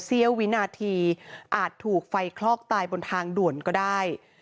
เสี้ยววินาทีอาจถูกไฟคลอกตายบนทางด่วนก็ได้